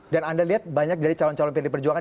dan anda lihat banyak dari calon calon pd perjuangan